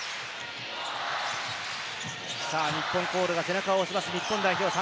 日本コールが背中を押します、日本代表。